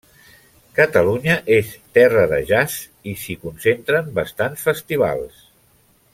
Catalunya és terra de jazz i s'hi concentren bastants festivals.